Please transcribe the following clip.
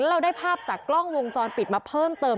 เราได้ภาพจากกล้องวงจรปิดมาเพิ่มเติม